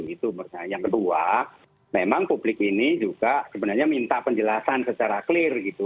yang kedua memang publik ini juga sebenarnya minta penjelasan secara clear gitu